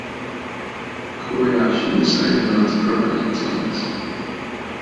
Kobayashi decided not to provide italics.